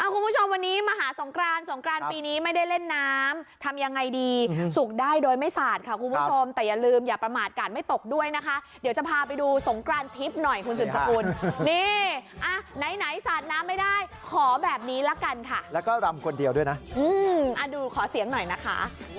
คุณผู้ชมวันนี้มาหาสงกรานสงกรานปีนี้ไม่ได้เล่นน้ำทำยังไงดีสุกได้โดยไม่สาดค่ะคุณผู้ชมแต่อย่าลืมอย่าประมาทกาดไม่ตกด้วยนะคะเดี๋ยวจะพาไปดูสงกรานทิพย์หน่อยคุณสืบสกุลนี่อ่ะไหนสาดน้ำไม่ได้ขอแบบนี้ละกันค่ะแล้วก็รำคนเดียวด้วยนะดูขอเสียงหน่อยนะคะ